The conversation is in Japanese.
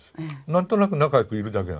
何となく仲良くいるだけなの。